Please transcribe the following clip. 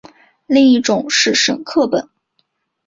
另一种是沈刻本。